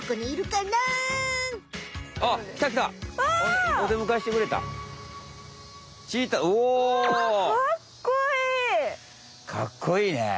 かっこいいねえ。